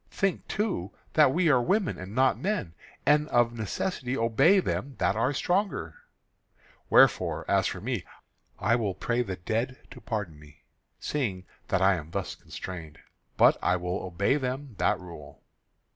Think, too, that we are women and not men, and of necessity obey them that are stronger. Wherefore, as for me, I will pray the dead to pardon me, seeing that I am thus constrained; but I will obey them that rule."